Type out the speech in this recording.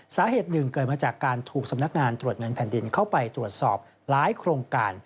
สาเหตุหนึ่งเกิดมาจากการถูกสำนักงานตรวจเงินแผ่นดินเข้าไปตรวจสอบหลายโครงการ